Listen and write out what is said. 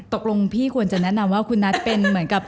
ตกลงพี่ควรจะแนะนำว่าคุณนัทเป็นเหมือนกับ